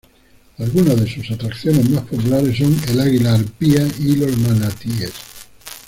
Algunas de sus atracciones más populares son el águila arpía y los manatíes.